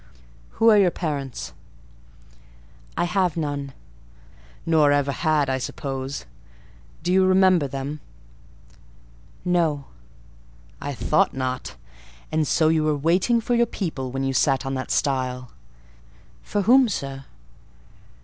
Who are your parents?" "I have none." "Nor ever had, I suppose: do you remember them?" "No." "I thought not. And so you were waiting for your people when you sat on that stile?" "For whom, sir?"